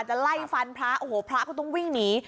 จะไล่ฟันพระโอ้โหพระก็ต้องวิ่งหนี